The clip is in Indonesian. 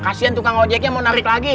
kasian tukang ojeknya mau narik lagi